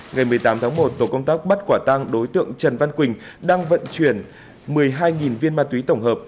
ngày một mươi tám tháng một tổ công tác bắt quả tăng đối tượng trần văn quỳnh đang vận chuyển một mươi hai viên ma túy tổng hợp